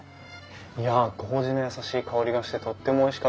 いや麹の優しい香りがしてとってもおいしかったです。